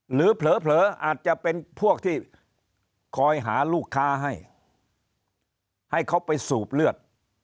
หรือเผลออาจจะเป็นพวกที่คอยหาลูกค้าให้ให้เขาไปสูบเลือด